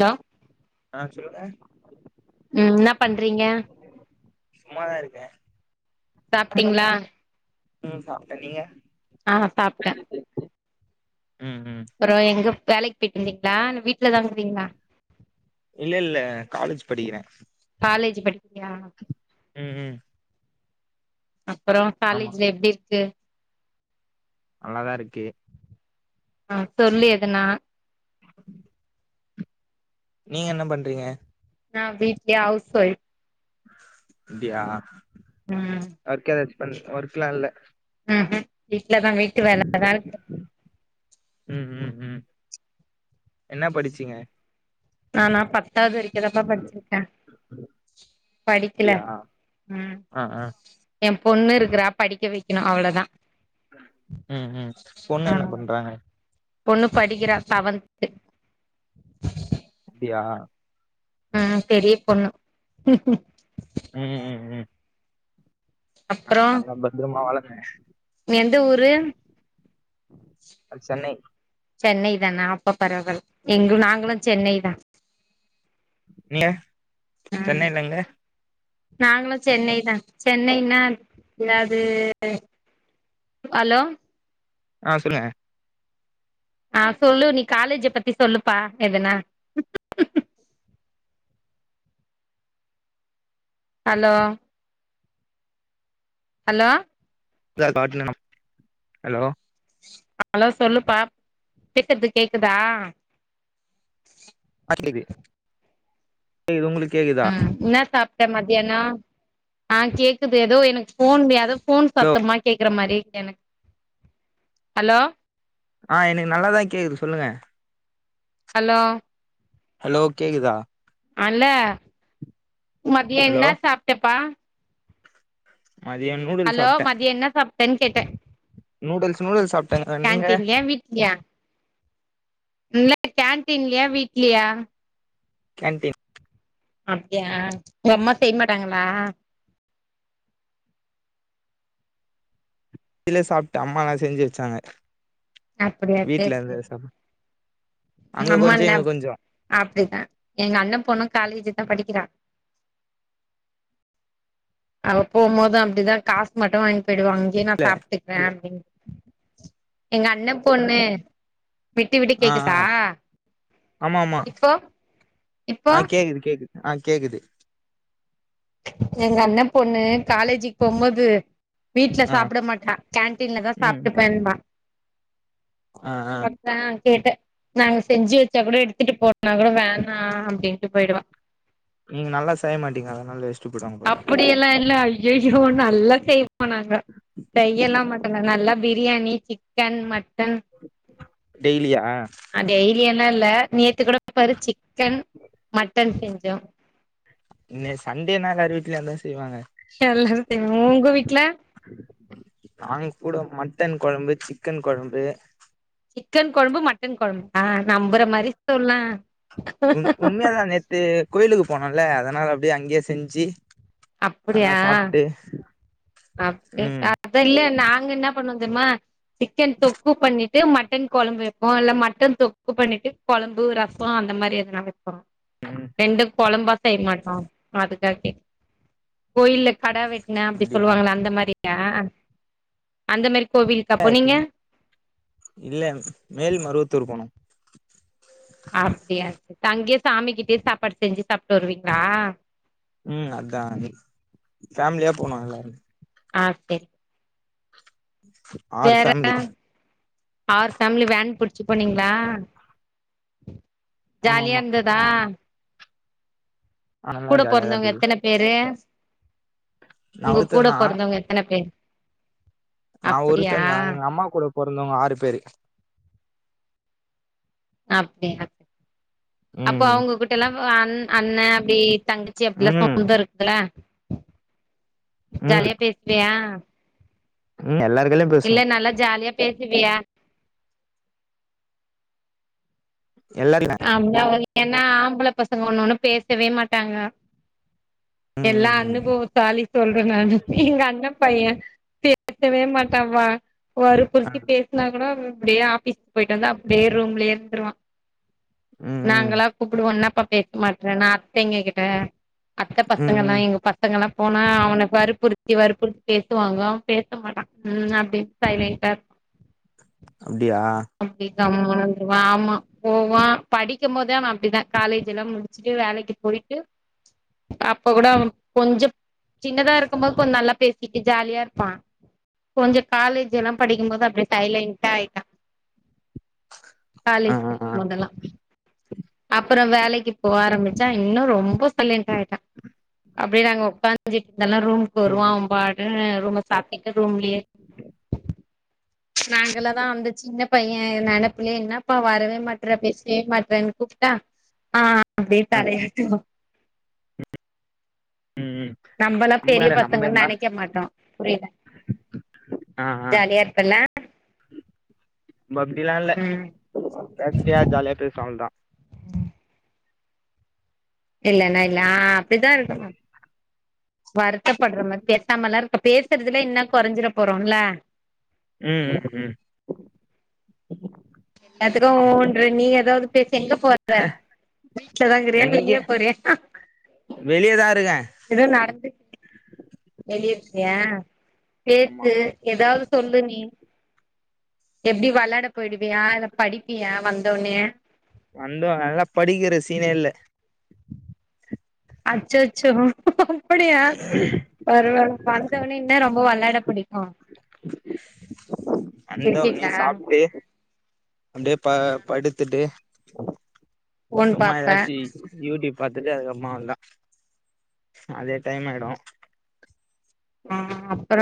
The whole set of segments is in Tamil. ஹலோ அ சொல்லுங்க ம் இன்னப் பண்றீங்க சும்மாதா இருக்கே [inaudible] சாப்ட்டீங்களா ம் சாப்ட்ட நீங்க அ சாப்ட்ட ம் ம் அப்பறோ எங்க வேலைக் போய்ட்டுருந்தீங்ளா இல்ல வீட்லதா இருங்கிறீங்ளா இல்ல இல்ல காலேஜ் படிக்கிற காலேஜ்ஜு படிக்கிறியா ம் ம் அப்பறோ ஆமா காலேஜ்ல எப்டி இருக்கு நல்லாதா இருக்கு அ சொல்லு எதனா நீங்க என்ன பண்றீங்க நா வீட்லே ஹவுஸ் ஒய்ஃப் அப்டியா ம் ஒர்க் ஏதாச்சு பண் ஒர்க்லா இல்ல ம் ம் வீட்ல தா வீட்டு வேலதா ருக்கு ம் ம் ம் என்ன படிச்சீங்க நானா பத்தாவ்து வரைக்குந்தாப்பா படிச்சிருக்கே படிக்கில அப்டியா ம் ஆ ஆ எ பொண்ணு இருக்குறா படிக்க வெக்ணு அவ்ளோதா ம் ம் பொண்ணு ஆ என்ன பண்றாங்க பொண்ணு படிக்கிறா செவன்த்து அப்டியா அ பெரிய பொண்ணு ம் ம் ம் ஆ அப்புறோ நல்லா பத்ரமா வளங்க எந்த ஊரு அது சென்னை சென்னை தானா அப்ப பரவால் எங்க நாங்களு சென்னை தா எங்க அ சென்னைல நாங்களு சென்னை தா சென்னைனா என்னாது ஹலோ ஆ சொல்லுங்க ஆ சொல்லு நீ காலேஜ. பத்தி சொல்லுப்பா எதுனா ஹலோ ஹலோ [unintelligible] ஹலோ ஹலோ சொல்லுப்பா பேசுறது கேக்குதா [unintelligible] கேக்குது உங்களுக்கு கேக்குதா என்னா சாப்ட்ட மத்தியானம் ஆ கேக்குது ஏதோ எனக் ஃபோன்லயாது ஃபோன் சத்தமா கேக்குற மாறி இருக்கு எனக்கு ஹலோ ஆ எனக்கு நல்லாதா கேக்குது சொல்லுங்க ஹலோ ஹலோ கேக்குதா அல்ல மதியோ ஹலோ என்னா சாப்ட்டப்பா மதியானம் நூல் ஹலோ மதியோ என்ன சாப்ட்டேன்னு கேட்டே நூடுல்ஸ் நூடுல்ஸ் சாப்ட்டேங்க நீங்க கேன்டின்லியா வீட்லீயா இல்ல கேன்டீன்ல்லையா வீட்லயா கேன்டீன் அப்டியா என் அம்மா செய்யமாட்டாங்ளா வெளில சாப்ட்டே அம்மா வேற செஞ்சு வச்சாங்க அப்டியா வீட்ல இருந்து எதோ சாப் எங்க அங்க கொஞ்சோ அம்மான்னா இங்க கொஞ்சோ அப்டிதா எங்க அண்ணன் பொண்ணும் காலேஜ் தா படிக்கிறா அவ போம்போதும் அப்டிதா காசு மட்டு வாங்கிட்டு போயிடுவா அங்கயே நா இல்ல சாப்ட்டுக் குறே அப்டின்ன எங்க அண்ண பொண்ணு விட்டு விட்டு ஆ ஆ கேக்குதா ஆமா ஆமா இப்போ இப்போ ஆ கேக்குது கேக்குது ஆ கேக்குது எங்க அண்ண பொண்ணு காலேஜிக்கு போம்போது வீட்ல ஆ சாப்ட மாட்டா கேன்டீன்லதா ம் சாப்ட்டுப்பேம்பா ஆ ஆ அத்தா கேட்டே நாங்க செஞ்சு வச்சா கூட எடுத்துட்டு போனா கூட வேணா அப்டின்ட்டு போயிடுவா நீங்க நல்லா செய்யமாட்டிங்க அதனால வெஸ் அப்படியெல்லா இல்ல ஐய்யய்யோ நல்லா செய்வோ நாங்க செய்ய எல்லா மாட்டோ இல்ல நல்லா பிரியாணி சிக்கன் மட்டன் டெய்லியா ஆ டெய்லி எல்லா இல்ல நேத்துகூட பாரு சிக்கன் மட்டன் செஞ்சோ இல்ல சண்டேநால லாரு வீட்லயு அதா செய்வாங்க எல்லாரு தெ உங்க வீட்ல நாங்க கூட மட்டன் கொழம்பு சிக்கன் கொழம்பு சிக்கன் கொழம்பு மட்டன் கொழம்பா நம்பற மாரி சொல்ல ம் உண்மயாதா நேத்து கோயிலுக்கு போனோல அதனால அப்டியே அங்கயே செஞ்சு நல்லா சாப்புட்டு சாப்புட்டு அ அத இல்ல நாங்க என்ன பண்ணுவோ தெரியுமா சிக்கன் தொக்கு பண்ணி ட்டு மட்டன் கொழம்பு வெப்போ இல்ல மட்டன் தொக்கு பண்ணிட்டு கொழம்பு ரசோ அந்த மாரி எதனா வெப்போ ம் ரெண்டு கொழம்பா செய்ய மாட்டோ அதுக்கு தா கேட்ட கோயில்ல கடா வெட்டன அப்டி அப்டியா சொல்லுவாங்களா அந்த மாரியா அந்த மாரி கோவில்க்காப்போனீங்க இல்ல மேல் மருவத்தூர் போனோ அப்டியா சேர் அங்கயே சாமி கிட்டேயே சாப்பாடு செஞ்சு சாப்ட்டு வருவீங்ளா ம் அதா அண்ணி ஃபேமிலியா போனு எல்லாரு ஆ சேரி ஆறு வேற ஃபேமிலி ஆரு ஃபேமிலி வேன் புடிச்சு போனீங்ளா ஆமா ஜாலியா ஆமா இருந்ததா அதெல்லா கூட ஜாலியாதா பொறந்தவங்க இருந்தது எத்தன பேரு நா உங்க கூட ஒருத்தந்தா பொறந்தவங்க எத்தன பேரு நா அப்டியா ஒருத்தந்தா எங்க அம்மா கூட பொறந்தவங்க ஆறு பேரு அப்டிய சரி அப்போ ம் அவங்கோகிட்ட எல்லா அ அண்ணன் அப்டி தங்க சி அப்டில்லா ம் சொந்தோ இருக்குல்ல ம் ஜாலியா பேசுவியா ம் எல்லாரு கைலயு இல்ல பேசுவோ நல்லா ஜாலியா பேசுவியா எல்லாரயு [unintelligible] ஆம்பள பசங்க ஒண்ண ஒன்னு பேசவே மாட்டாங்க ம் எல்லா ம் ம் அனுபோவ சாலி சொல்ற நானு எங்க அண்ண பைய பே பேசவே மாட்ட மா ஆ வருபுருத்தி பேச னா கூட அப்டியே ஆபிஸ் போயிட்டு வந்து அப்டியே ரூம்லயே இருந்துருவா ம் ம் நாங்களா கூப்டுவே என்னப்பா பேச மாட்ற நா அத்தைங்க கிட்ட அத்த ம் பசங்கெள்ளா ம் எங்க பஸ் பசங்கெல்லா போனா அவன வருபுறுத்தி வருபுறுத்தி பேசுவாங்க அவ பேச மாட்டா ம் அப்டின்னு சைலன்ட் இரு அப்டியா அப்டிதா போயிருவா ஆமா போவா படிக்கும்போதே அவ அப்டிதா காலேஜ் எல்லாம் முடிச்சுட்டு வேலைக்கு போயிட்டு அப்ப கூட அவனுக் கொஞ்சப் சின்னதா இருக்கும்போது கொஞ்சோ நல்லா பேச ட்டு ஜாலியா இருப்பா கொஞ்சோ காலேஜ் எல்லா படிக்கும்போது அப்டியே சைலன்ட்டா ஆயிட்டா ஆ காலேஜ் ஆ ஆ படிக்கும் போதல்லா அப்பறோ வேலைக்கு போக ஆரம்பிச்சா இன்னு ரொம்ப சைலண்ட்டா ஆயிட்டா அப்டி நாங்க உக்காந் [unintelligible] இல்லனா ரூம்க்கு ம் வருவா ம் அவன் பாட்டுகு ரூம சாத்திட்டு ரூம்லயே நாங்களதா அந்த சின்ன பைய நெனப்புலே என்னப்பா வரவே மாட்ற பேசவே மாட்றன்னு கூப்ட்டா ஆ அப்டியே ஆ தலய ஆட்டுவா ம் நம்பெல்லா நம்ப பெரிய இல்ல நம்ப பசங்கன் எங்க நெனைக்க மாட்டோ புரில ஆ ஆ ஜாலியா இருப்பல்ல அப்டிலா இல்ல ம் பேசுரியா ஜாலியா பேச அவ்ளதா இல்லன்னா இல்ல ஆ அப்டித்தா இருக்கனு வருத்தப்படுற மாரி பேசாம எல்லா இருக்க பேசுறதுல என்ன கொறஞ்சிற போறோ இல்லே ம் ம் ம் ஏத்துகு ஊ ஆமா ஊன்ற நீ ஏதாவது பேசு எங்க போற வீட்லதா இருகியா வெளியே போறியா வெளியேதா இருக்க இத நடத்தி வெளிய இருக்கியா ஆமா பேசு ஏதாவது சொல்லு நீ எப்டி வெளாட போய்டுவியா இல்ல படிப்பியா வந்தோனே வந்து நால்லா படிக்கிற சீனேல்ல அச்சச்சோ அப்டியா பருவால்ல வந்தவோனே இன்ன ரொம்ப விளாட பிடிக்கு வந்தோனே சாப்டு அப்டே ப படுத்துட்டு ஃபோன் சும்மா பாப்ப ஏதாச்சி யூடியூப் பாத்துட்டு அதுக்கு அம்மலா அதே டைம் ஆயிடு ஆ அப்பற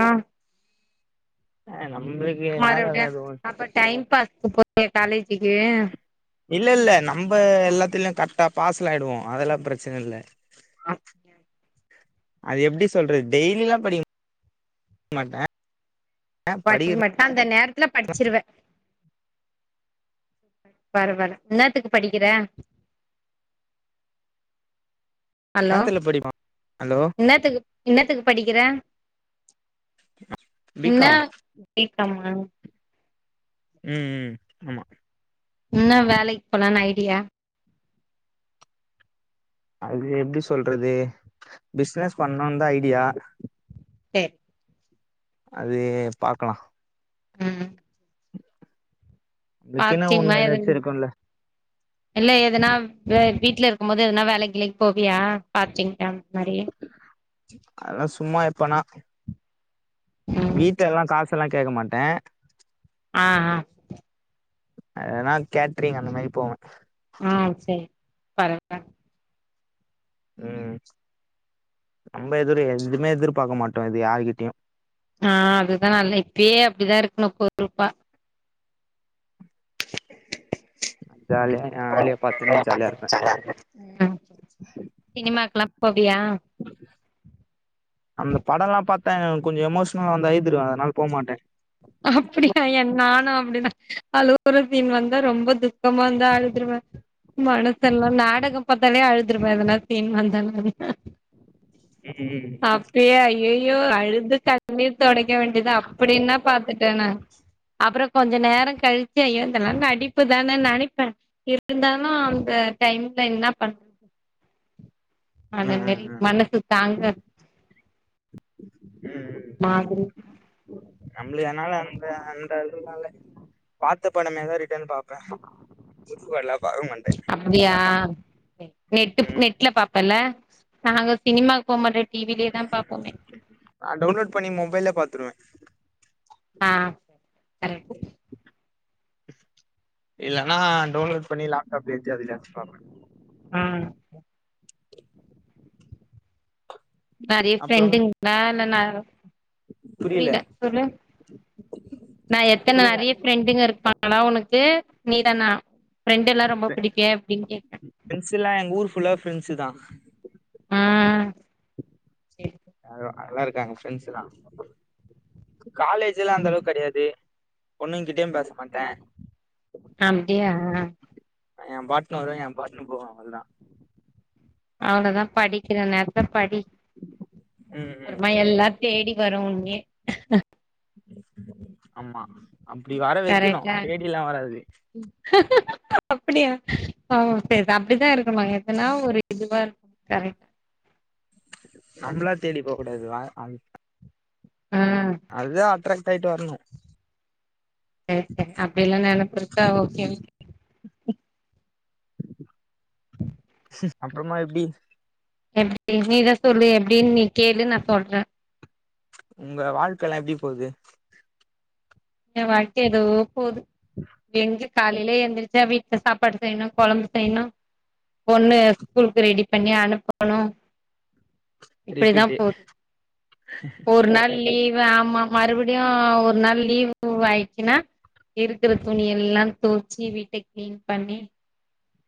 ஆ நம்ளுக் மறுபடியு அப்ப டைம் பாஸ்க்கு போறியா காலேஜிக்கு இல்ல இல்ல நம்ம எல்லாத்துலயு கரெக்டா பாசேலா ஆயிடுவோ அதெல்லா பிரச்சன இல்ல அ அது எப்டி சொல்றது டெய்லி எல்லா படிக மாட்ட படிக்க படிக்கிற மாட்ட அந்த நேரத்துல படிச்சிருவே பரவாயில்ல என்னத்துக்கு படிக்கிற அலோ நேரத்துல படிப்பே ஹலோ இன்னாத்துக்கு இன்னாத்துக்கு படிக்கிற பி இன்னா காம் பி காமா ம் ம் ஆமா இன்ன வேலைக்கி போலான்னு ஐடியா அது எப்டி சொல்றது பிசினஸ் பண்ணுதா ஐடியா எ அதே பாக்கலா ம் அதுக்குன்னு பார்ட்டைமா ஒண்ணு எதும் ஏதாச்சு இருக்குல்ல இல்ல எதுனா வெ வீட்ல இருக்கு போது எதுனா வேலைக்கி கிலைக்கு போவியா பார்ட்டைம் அந்த மாரி அதெல்லா சும்மா எப்பனா ம் வீட்டு எல்லா காசு செல்லா கேக்க மாட்டே ஆ ஆ எதனா கேட்ரிங் அந்த மாரி போவே ஆ சரி பரவா இல்ல ம் நம்ம எத எதுவுமே எதிர்பார்க்க மாட்டோ இது யார்கிட்டயு ஆ அதுதா நல்ல இப்பயே அப்டிதா இருக்கணு பொருப்பா ஜாலியா என் வேலைய பாத்துன்னு ஜாலியா இருப்பே [unintelligible] சினிமாக்கெல்லா போவியா அந்த பட எல்லா பாத்தா கொஞ்ச எமோஷ்னலா வந்து அழிதுருவே அதனால போமாட்ட அப்டியா என் நானு அப்டிதா அழுவற சீன் வந்தா ரொம்ப துக்கமா இருந்தா அழுதுருவே மனசெல்லா நாடக பாத்தாலே அழுதுருவே இந்த மாரி சீன் வந்தாவே ம் அப்டியே அய்யயோ அழுதுட்டா [inaudible] தொடைக்க வேண்டிதா அப்டி என்னா பாத்துட்டே நா அப்றோ கொஞ்ச நேர கழிச்சி ஐயோ இதெல்லா நடிப்புதானே நெனப்பே இருந்தாலு அந்த டைம்ல என்ன பண்றது அந்த ஆ ஆ மாரி ஆ ம் மனசு தாங்காது ம் ம் மாதிரி ம் நம்ளுக்கு அதனால அந்த அந்த இதுனால பாத்த படமேதா ரிட்டன் பாப்பே இப்பெல்லா பாக்க மாட்டே அப்டியா சேர் நெட்டு ம் நெட்ல பாப்பெல்ல நாங்க சினிமாக்கு போ மாட்டோ டி விலே தா பாப்போமே ஆ டவுன்லோட் பண்ணி மொபைல்லே பாத்துருவ ஆ சேர் சேர் கரெட் இல்லன்னா டவுன்லோட் பண்ணி லேப்டாப்ல ஏத்தி அதுல வெச்சி பாப்பே ஆ நெறைய அப்புறம் ஃப்ரெண்டுங்களா இல்ல ந புரியல புரில சொல்லு நா எத்தன நெறைய சொல்லுங்க ஃப்ரெண்டுங்க இருப்பாங் ங்ளா ஒனக்கு நீதானா ஃப்ரெண்டுலா ரொம்ப புடிக்கு அப்டின் கேட்ட ப்ரண்ட்ஸ்லா எங்க ஊரு ஃபுல்லா ப்ரண்ட்ஸ்ஸு தா ஆ சேரி நல்லா நல்லாருக்காங்க ஃப்ரண்ட்ஸுலா காலேஜிலா அந்த அளவுக்கெடையாது பொண்ணுங்கிட்டயு பேச மாட்டே அப்டியா ஏ பாட்னரு ஏ பாட்னர் ப்ரோவு வந்தா அவ்ளதா படிக்கிற நேரத்துலப் படி ம் ம் அப்றமா எல்லா தேடி வரு உன்னே ஆமா அப்டி வர வைக்கனு கரெக்டா தேடிலா வராது அப்டியா ஆ சேர் அப்டிதா இருக்குனு எதுனா ஒரு இதுவா இருக்க [inaudible] நம்ளா தேடி போ கூடாது வா அ ம் அது தா அட்ராக்ட் ஆயிட்டு வர்னு ஏ அப்டியெல்லா நெனப்பு இருக்கா ஓகே ஓகே சிஸ் அப்றமா எப்டி எப்டி நீதா சொல்லு எப்டின் நீ கேளு நா சொல்றே ஒங்க வாழ்க்கலா எப்டி போது ஏ வாழ்க்க எதோ போது எங்க காலைல எந்திரிச்சா வீட்ல சாப்பாடு செய்னு கொழம்பு செய்னு பொண்ணு ஸ்கூலுக்கு ரெடி பண்ணி அனுப்பனு இப்டிதா ரிப்பீட்டு போது ஒரு நாள் லீவு ஆமா மறுபடியு ஒரு நாள் லீ வு ஆய்ச்சினா இருக்கிற துணி எல்லா தோச்சி வீட்ட க்ளீன் பண்ணி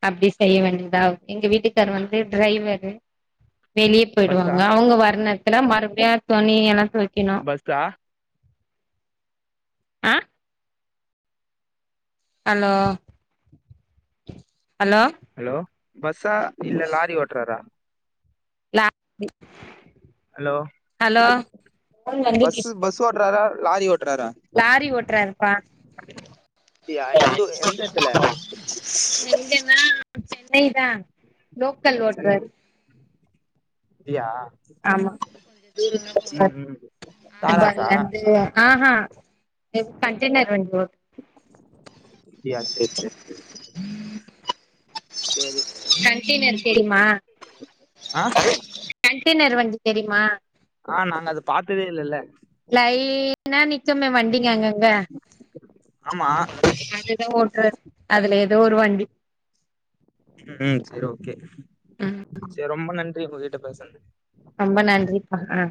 அப்டி செய்ய வேண்டிதா எங்க வீட்டுக்காரு வந்து ட்ரைவர் வெளியப் பஸ்ஸா பொயிடுவாங்க அவுங்க வர நேரத்துல மறுபடியு துணி எல்லா தொய்க்குனு பஸ்ட்டா அ ஹலோ ஹலோ ஹலோ பஸ்ஸா இல்ல லாரி ஓட்றாரா லாரி ஹலோ ஹலோ ஃபோன் வந்து பஸ்ஸு பஸ் ஓட்றாரா லாரி ஓட்றாரா லாரி ஓட்றாருப்பா அப்டியா எந்த ஊ எந்த எடத்துல எங்கனா சென்னை தா லோக்கல் சென்னை ஓட்றாரு அப்டியா ஆமா கொஞ்ச தூரோ தா ம் போவார் ம் தாராசா ஹார்பர்லர்ந்து அஹா இது கண்டைனர் வண்டி லோடு அப்டியா சேரி சேரி சேரி கண்டெயினர் தெரியுமா ஆ கண்டடெய்னர் வண்டி தெரியுமா ஆ நாங்க அத பாத்ததே இல்லல்ல லைனா நிக்குமே வண்டிங்க அங்கங் ங்க ஆமா அது தா ஓட்டுறாரு அதுல ஏதோ ஒரு வண்டி ம் சேரி ஓகே ம் சேரி ரொம்ப நன்றி உங்க கிட்ட பேசன்து ரொம்ப நன்றிப்பா ஆ